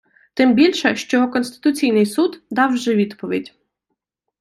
Тим більше, що Конституційний суд дав вже відповідь.